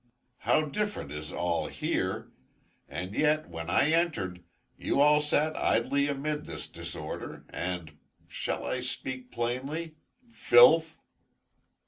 How different is all here; and yet, when I entered, you all sat idly amid this disorder, and shall I speak plainly filth."